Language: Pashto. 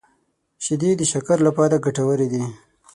شیدې د شکر لپاره ګټورې دي